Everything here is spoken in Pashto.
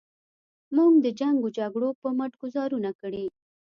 موږ د جنګ و جګړو په مټ ګوزارونه کړي.